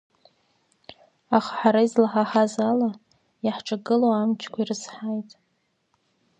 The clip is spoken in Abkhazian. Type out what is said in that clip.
Аха ҳара излаҳаҳаз ала, иаҳҿагылоу амчқәа ирызҳаит.